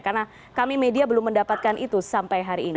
karena kami media belum mendapatkan itu sampai hari ini